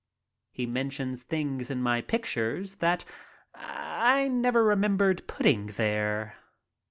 He mentions things in my pictures that I never remembered putting there.